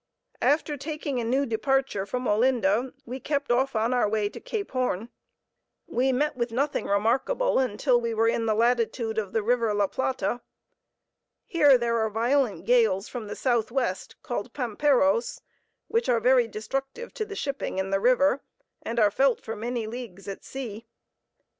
After taking a new departure from Olinda, we kept off on our way to Cape Horn. We met with nothing remarkable until we were in the latitude of the river La Plata. Here there are violent gales from the southwest called Pamperos, which are very destructive to the shipping in the river, and are felt for many leagues at sea.